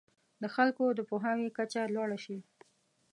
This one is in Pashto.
د خلکو د پوهاوي کچه لوړه شي.